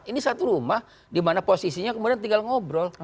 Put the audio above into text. ini satu rumah di mana posisinya kemudian tinggal ngobrol